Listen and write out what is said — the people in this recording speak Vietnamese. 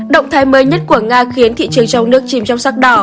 động thái mới nhất của nga khiến thị trường trong nước chìm trong sắc đỏ